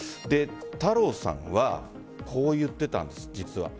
太郎さんはこう言っていたんです。